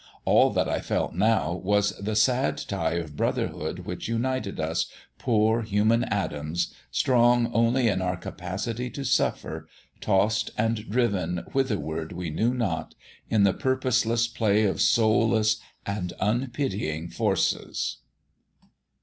All that I felt now was the sad tie of brotherhood which united us, poor human atoms, strong only in our capacity to suffer, tossed and driven, whitherward we knew not, in the purposeless play of soulless and unpitying forces.